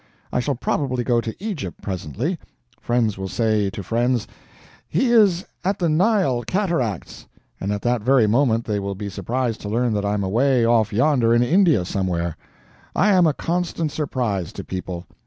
I shall probably go to Egypt presently; friends will say to friends, "He is at the Nile cataracts" and at that very moment they will be surprised to learn that I'm away off yonder in India somewhere. I am a constant surprise to people.